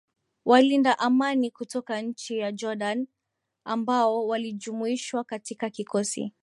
walinda amani kutoka nchi ya Jordan ambao walijumuishwa katika kikosi